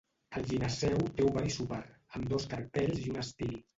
El gineceu té ovari súper, amb dos carpels i un estil.